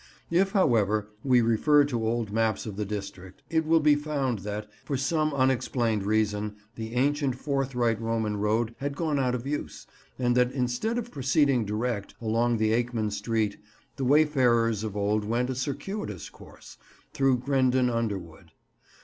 If, however, we refer to old maps of the district, it will he found that, for some unexplained reason, the ancient forthright Roman road had gone out of use, and that instead of proceeding direct, along the Akeman Street, the wayfarers of old went a circuitous course, through Grendon Underwood.